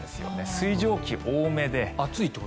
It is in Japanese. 水蒸気、多めで。